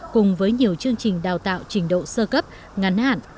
cùng với nhiều chương trình đào tạo trình độ sơ cấp ngắn hạn